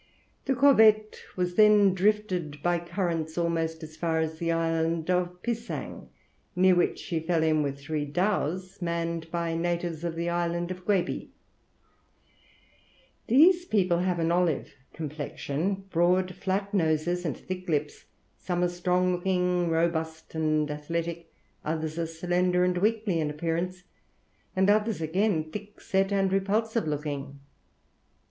The corvette was then drifted by currents almost as far as the island of Pisang, near which she fell in with three dhows, manned by natives of the island of Gueby. These people have an olive complexion, broad flat noses, and thick lips; some are strong, looking robust and athletic, others are slender and weakly in appearance; and others, again, thickset and repulsive looking.